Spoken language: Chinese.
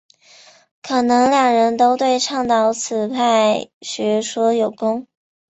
可能两人都对倡导此派学说有功。